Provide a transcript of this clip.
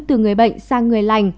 từ người bệnh sang người lành